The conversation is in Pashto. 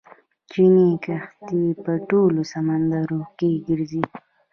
چیني کښتۍ په ټولو سمندرونو کې ګرځي.